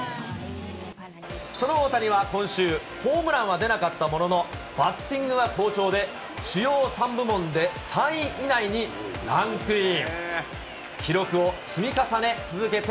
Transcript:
その大谷は今週、ホームランは出なかったものの、バッティングは好調で、主要３部門で３位以内にランクイン。